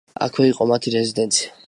აქვე იყო მათი რეზიდენცია.